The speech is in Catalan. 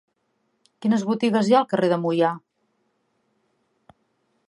Quines botigues hi ha al carrer de Moià?